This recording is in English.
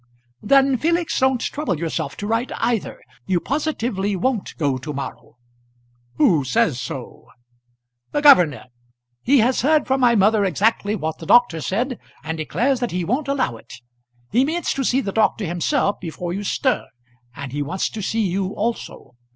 "Then, Felix, don't trouble yourself to write either. You positively won't go to morrow " "Who says so?" "The governor. He has heard from my mother exactly what the doctor said, and declares that he won't allow it. He means to see the doctor himself before you stir. And he wants to see you also.